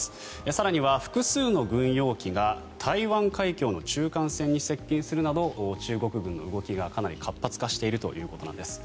更には複数の軍用機が台湾海峡の中間線に接近するなど中国軍の動きがかなり活発化しているということなんです。